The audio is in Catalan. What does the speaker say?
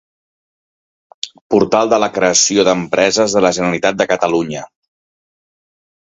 Portal de la creació d'empreses de la Generalitat de Catalunya.